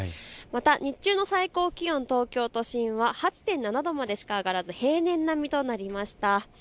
また日中の最高気温は東京都心は８．７度までしか上がらず平年並みとなりました。